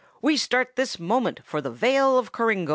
We start this moment for the Vale of Coringo!"